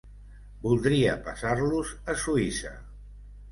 Voldria passar-los a Suïssa.